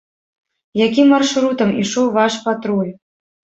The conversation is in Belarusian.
Якім маршрутам ішоў ваш патруль?